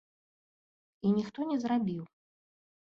І ніхто не зрабіў.